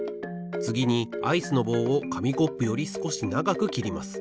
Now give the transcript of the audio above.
つぎにアイスの棒をかみコップよりすこしながくきります。